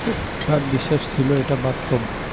তার বিশ্বাস ছিল এটা বাস্তব।